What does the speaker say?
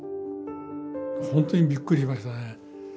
本当にびっくりしましたね。